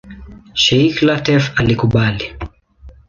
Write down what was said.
Sheikh Lateef alikubali.